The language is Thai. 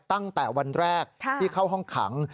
ตั้งแต่วันแรกที่เข้าห้องขัง